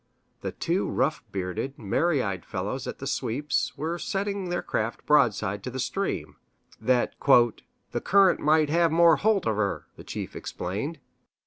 The two rough bearded, merry eyed fellows at the sweeps were setting their craft broadside to the stream that "the current might have more holt of her," the chief explained.